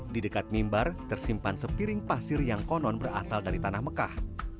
di dekat mimbar tersimpan sepiring pasir yang konon berasal dari tanah mekah